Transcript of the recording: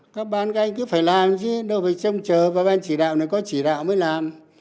các ban các anh cứ phải làm chứ nó phải trông chờ vào ban chỉ đạo này có chỉ đạo mới làm